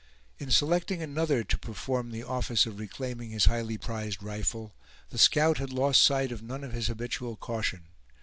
In selecting another to perform the office of reclaiming his highly prized rifle, the scout had lost sight of none of his habitual caution.